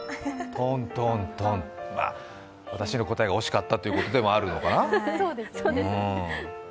私の答えが惜しかったということでもあるのかな？